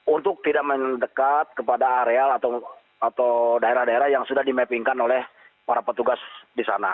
untuk tidak mendekat kepada areal atau daerah daerah yang sudah di mappingkan oleh para petugas di sana